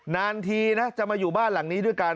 นานทีนะจะมาอยู่บ้านหลังนี้ด้วยกัน